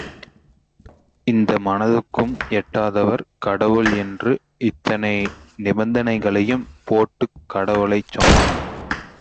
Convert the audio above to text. இந்த மனதுக்கும் எட்டாதவர் கடவுள் என்று இத்தனை நிபந்தனைகளையும் போட்டுக் கடவுளைச் சொன்னான்.